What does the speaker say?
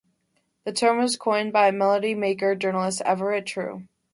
The term was coined by Melody Maker journalist Everett True.